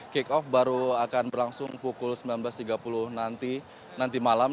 kick off baru akan berlangsung pukul sembilan belas tiga puluh nanti malam